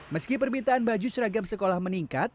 meski permintaan baju seragam sekolah meningkat